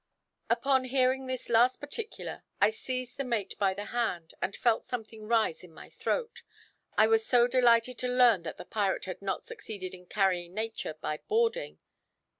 Upon hearing this last particular I seized the mate by the hand, and felt something rise in my throat: I was so delighted to learn that the pirate had not succeeded in carrying nature by boarding.